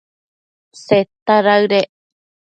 Seta daëdec